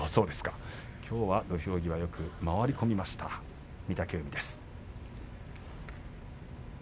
きょうは土俵際よく回り込みました御嶽海です。